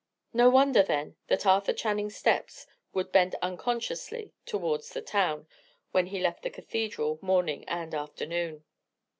No wonder, then, that Arthur Channing's steps would bend unconsciously towards the town, when he left the cathedral, morning and afternoon.